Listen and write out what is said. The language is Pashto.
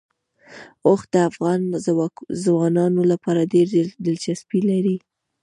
اوښ د افغان ځوانانو لپاره ډېره دلچسپي لري.